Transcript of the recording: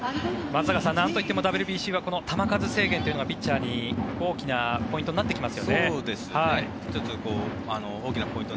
松坂さん、なんといってもＷＢＣは球数制限がピッチャーの大きなポイントになってきますよね。